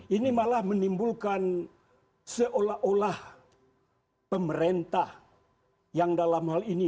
ini malah menimbulkan seolah olah pemerintah yang dalam hal ini